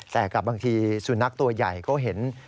แต่กับบางทีสุนัขตัวใหญ่เขาเห็น